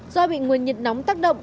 do bị nguyên nhiệt nóng tác động